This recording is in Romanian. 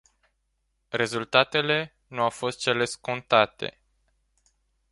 Rezultatele nu au fost cele scontate.